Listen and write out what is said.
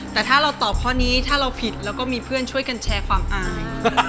แต่ถ้าเราตอบข้อนี้ถ้าเราผิดเราก็มีเพื่อนช่วยกันแชร์ความอาย